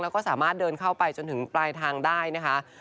แล้วก็สามารถเดินเข้าไปจนถึงปลายทางได้นะคะ